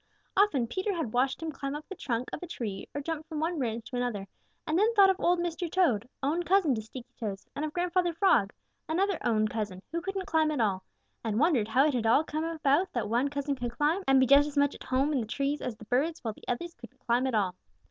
Often Peter had watched him climb up the trunk of a tree or jump from one branch to another and then thought of Old Mr. Toad, own cousin to Sticky toes, and of Grandfather Frog, another own cousin, who couldn't climb at all, and wondered how it had all come about that one cousin could climb and be just as much at home in the trees as the birds, while the others couldn't climb at all.